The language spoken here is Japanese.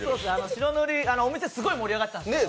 白塗りお店、すごい盛り上がってたんですけど